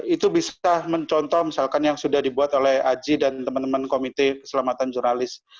itu bisa mencontoh misalkan yang sudah dibuat oleh aji dan teman teman komite keselamatan jurnalis